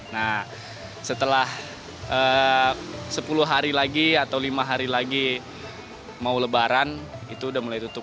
nah setelah sepuluh hari lagi atau lima hari lagi mau lebaran itu udah mulai tutup